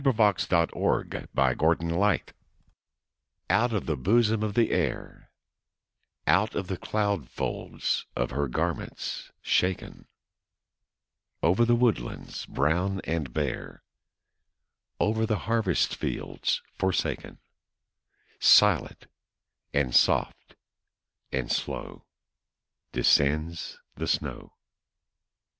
Henry Wadsworth Longfellow Snow Flakes OUT of the bosom of the Air Out of the cloud folds of her garments shaken, Over the woodlands brown and bare, Over the harvest fields forsaken, Silent, and soft, and slow Descends the snow.